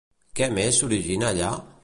Què més s'origina allà?